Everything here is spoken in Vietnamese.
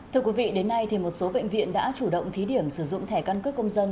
thưa quý vị đến nay một số bệnh viện đã chủ động thí điểm sử dụng thẻ căn cước công dân